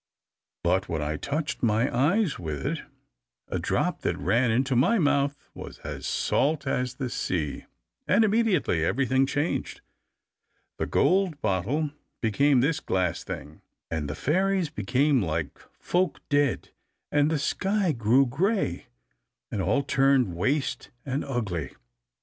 But when I touched my eyes with it, a drop that ran into my mouth was as salt as the sea, and immediately everything changed: the gold bottle became this glass thing, and the fairies became like folk dead, and the sky grew grey, and all turned waste and ugly.